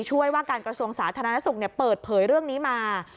ช่วยว่าการกระทรวงสาธารณสุขเปิดเผยเรื่องนี้มา